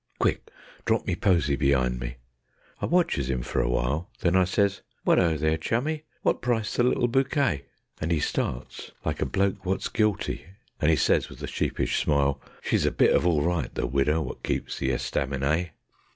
Quick! Drop me posy be'ind me. I watches 'im for a while, Then I says: "Wot 'o, there, Chummy! Wot price the little bookay?" And 'e starts like a bloke wot's guilty, and 'e says with a sheepish smile: "She's a bit of orl right, the widder wot keeps the estaminay."